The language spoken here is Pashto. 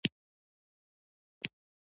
زه زده کړې کوم.